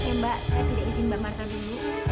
maaf ya mbak saya tidak izin mbak marta dulu